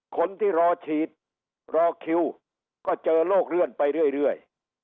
คนที่รอฉีดรอคิวก็เจอโรคเลื่อนไปเรื่อย